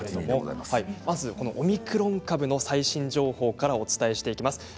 オミクロン株の最新情報からお伝えしていきます。